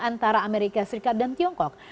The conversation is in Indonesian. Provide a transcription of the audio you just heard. antara amerika serikat dan tiongkok